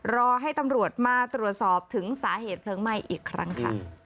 รอให้ตำรวจมาตรวจสอบถึงสาเหตุเพลิงไหม้อีกครั้งค่ะ